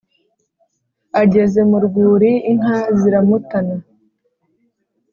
Ageze mu rwuri inka ziramutana